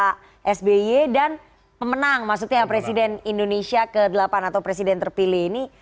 pak sby dan pemenang maksudnya presiden indonesia ke delapan atau presiden terpilih ini